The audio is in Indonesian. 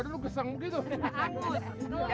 bagus keren ya